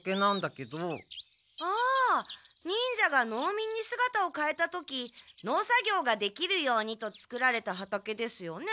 ああ忍者が農民にすがたを変えた時農作業ができるようにと作られた畑ですよね。